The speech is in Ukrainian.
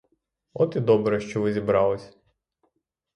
От і добре, що ви зібрались.